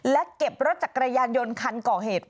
และเก็บรถจักรยานยนต์คันก่อเหตุ